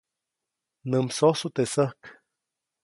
Nä msosu teʼ säjk.